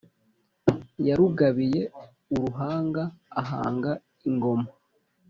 Yarugabiye aruhanga ahanga ingoma